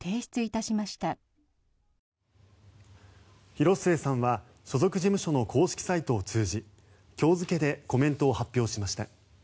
広末さんは所属事務所の公式サイトを通じ今日付でコメントを発表しました。